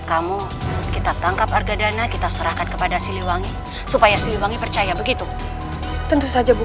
kau yang ngesenang dulu